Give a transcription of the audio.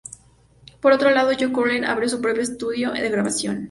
Por otro lado, John Curley abrió su propio estudio de grabación.